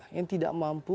yang tidak mampu